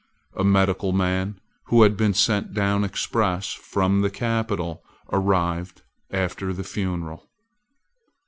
A medical man, who had been sent down express from the capital, arrived after the funeral.